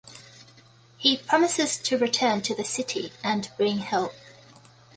He promises to return to the city and bring help.